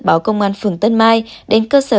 báo công an phường tân mai đến cơ sở